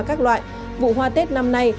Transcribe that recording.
các loại vụ hoa tết năm nay